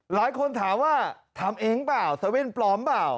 หลายคนถามว่าทำเองเปล่าเซเว่นปลอมเปล่า